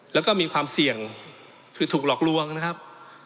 แล้วก็มีความเสี่ยงคือถูกหลอกลวงนะครับ